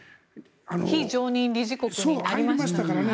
非常任理事国になりましたからね。